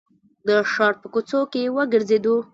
د ښار په کوڅو کې وګرځېدو.